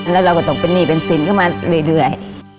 แล้วเราก็ต้องเป็นหนี้เป็นสินเข้ามาเรื่อย